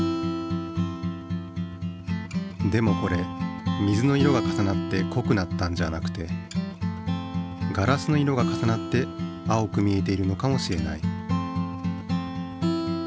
でもこれ水の色が重なってこくなったんじゃなくてガラスの色が重なって青く見えているのかもしれない。